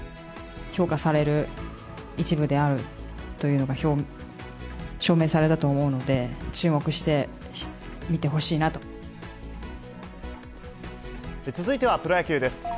評価される一部であるというのが証明されたと思うので、続いてはプロ野球です。